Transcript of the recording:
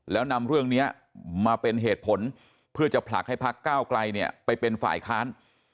แล้วนำเรื่องนี้มาเป็นเหตุผลเพื่อจะผลักให้พักก้าวไกลเนี่ยไปเป็นฝ่ายค้าน